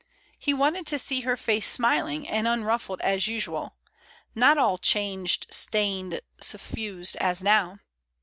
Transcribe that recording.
... He wanted to see her face smiling and unruffled as usual, not all changed, stained, suffused as now.